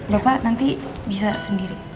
bapak nanti bisa sendiri